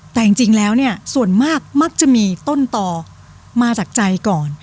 แต่จริงแล้วเนี่ยส่วนมากมักจะมีต้นต่อมาจากใจก่อน